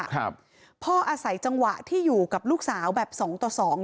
ครับพ่ออาศัยจังหวะที่อยู่กับลูกสาวแบบสองต่อสอง